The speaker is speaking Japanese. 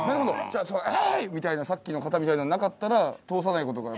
じゃあ「エイ！」みたいなさっきの方みたいなのがなかったら通さない事が。